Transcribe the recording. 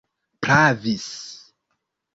pravis